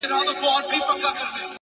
هوښیار انسان د احساساتو توازن ساتي.!